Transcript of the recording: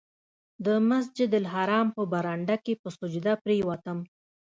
د مسجدالحرام په برنډه کې په سجده پرېوتم.